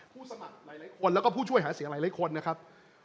สมัครหลายคนแล้วก็ผู้ช่วยหาเสียงหลายคนนะครับ